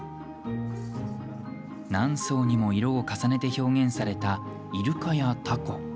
何層にも色を重ねて表現されたイルカやタコ。